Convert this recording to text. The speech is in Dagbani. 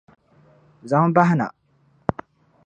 Zaŋ bahi na!